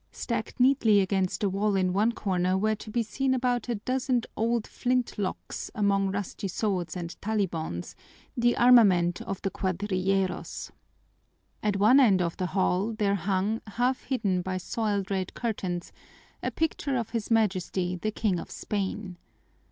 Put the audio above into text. Stacked neatly against the wall in one corner were to be seen about a dozen old flint locks among rusty swords and talibons, the armament of the cuadrilleros. At one end of the hall there hung, half hidden by soiled red curtains, a picture of his Majesty, the King of Spain.